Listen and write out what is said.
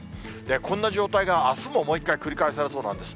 こんな状態があすももう一回、繰り返されそうなんです。